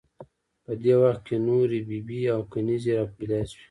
په دې وخت کې نورې بي بي او کنیزې را پیدا شوې.